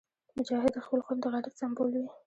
مجاهد د خپل قوم د غیرت سمبول وي.